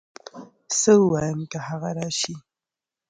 څه ووايم که هغه راشي